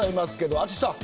淳さん